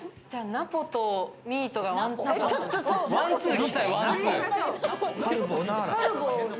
ナポとミートがワンツー？